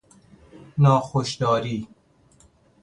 ناخوش داری